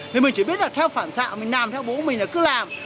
thì mình chỉ biết là theo phản xạ mình làm theo bố mình là cứ làm